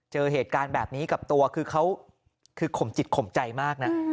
เจอเหตุการณ์แบบนี้กับตัวคือเขาคือข่มจิตข่มใจมากนะ